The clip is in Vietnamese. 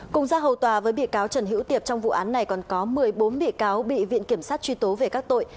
cùng ra hầu tòa với bị cáo trần hữu tiệp trong vụ án này còn có một mươi bốn bị cáo bị viện kiểm sát truy tố về các tội